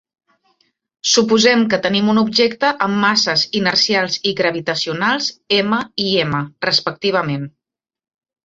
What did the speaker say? Suposem que tenim un objecte amb masses inercials i gravitacionals m i m, respectivament.